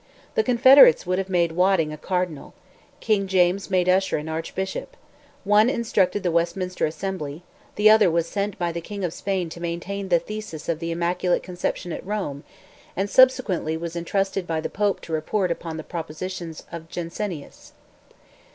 The Confederates would have made Wadding a cardinal; King James made Usher an archbishop; one instructed the Westminster Assembly; the other was sent by the King of Spain to maintain the thesis of the Immaculate Conception at Rome, and subsequently was entrusted by the Pope to report upon the propositions of Jansenius.